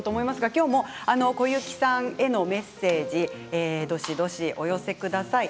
今日も小雪さんへのメッセージどしどしお寄せください。